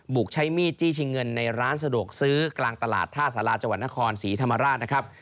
กใช้มีดจี้ชิงเงินในร้านสะดวกซื้อกลางตลาดท่าสาราจังหวัดนครศรีธรรมราชนะครับ